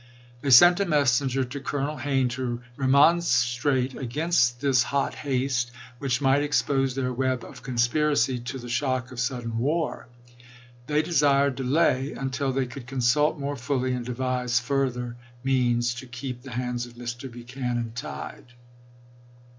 They sent a messenger Hayne t0 to Colonel Hayne to remonstrate against this hot ffilsjilei. haste, which might expose their web of conspiracy port! no. 91. to the shock of sudden war. They desired delay 36th con '. gress, pp. until they could consult more fully, and devise fur 64, 65. ther means to " keep the hands of Mr. Buchanan tied."